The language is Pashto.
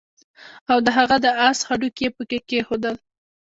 او د هغه د آس هډوکي يې پکي کېښودل